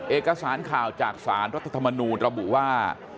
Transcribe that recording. เอกสารข่าวจากสารรัฐธรรมนูลระบุว่า